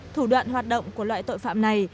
thủ đoạn hoạt động của loại tội phạm này